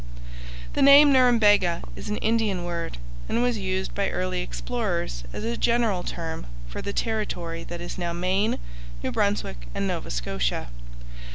The name Norumbega is an Indian word, and was used by early explorers as a general term for the territory that is now Maine, New Brunswick, and Nova Scotia.